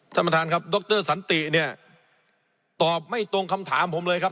ท่านประธานครับดรสันติเนี่ยตอบไม่ตรงคำถามผมเลยครับ